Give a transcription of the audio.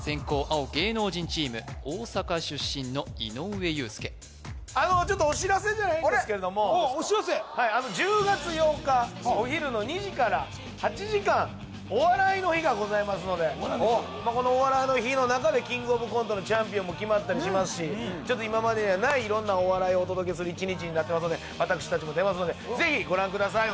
青芸能人チーム大阪出身の井上裕介お知らせじゃないんですけれどもあお知らせ１０月８日お昼の２時から８時間「お笑いの日」がございますのでこの「お笑いの日」の中で「キングオブコント」のチャンピオンも決まったりしますし今までにはない色んなお笑いをお届けする一日になってますので私達も出ますので是非ご覧ください